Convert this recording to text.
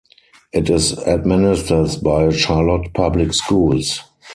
It is administered by Charlotte Public Schools.